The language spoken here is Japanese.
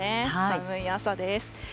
寒い朝です。